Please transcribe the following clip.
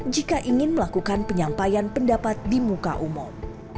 jika ingin melakukan penyampaian pendapat di muka umum